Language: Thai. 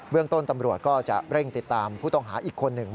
เรื่องต้นตำรวจก็จะเร่งติดตามผู้ต้องหาอีกคนหนึ่ง